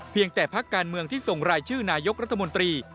แต่พักการเมืองที่ส่งรายชื่อนายกรัฐมนตรี